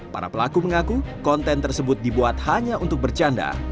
para pelaku mengaku konten tersebut dibuat hanya untuk bercanda